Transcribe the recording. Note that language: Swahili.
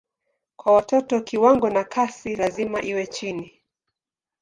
Kwa watoto kiwango na kasi lazima iwe chini.